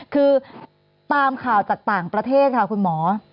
คือตามข่าวจากต่างประเทศค่ะคุณหมอ